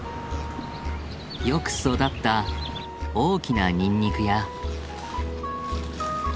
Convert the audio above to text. よく育った大きなニンニクや。